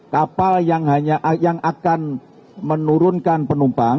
kapal yang akan menurunkan penumpang